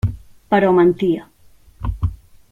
Però mentia.